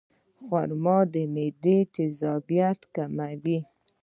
خرما د معدې تیزابیت کموي.